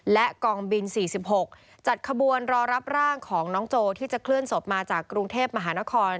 และกองบิน๔๖จัดขบวนรอรับร่างของน้องโจที่จะเคลื่อนศพมาจากกรุงเทพมหานคร